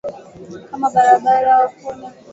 kama barabara hakuna hakuna maendeleo